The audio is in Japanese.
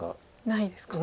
ないですか。